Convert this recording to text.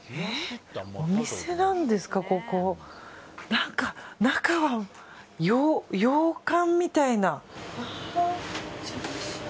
何か、中は洋館みたいな。